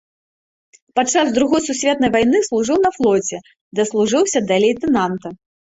Падчас другой сусветнай вайны служыў на флоце, даслужыўся да лейтэнанта.